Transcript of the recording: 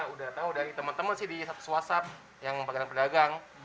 udah tau udah dari teman teman sih di whatsapp yang pageran pedagang